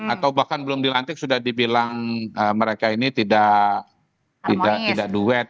atau bahkan belum dilantik sudah dibilang mereka ini tidak duet